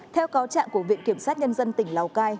theo cáo trạng của viện kiểm sát nhân dân tỉnh lào cai